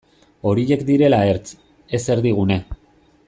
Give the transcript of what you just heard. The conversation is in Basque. Horiek direla ertz, ez erdigune.